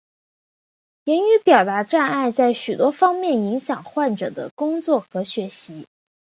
言语表达障碍在许多方面影响患者的工作和学习。